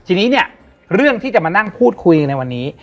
ทีนี้เนี่ยเรื่องที่จะมานั่งพูดคุยในวันนี้